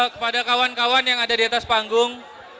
kepada kawan kawan yang ada di atas panggung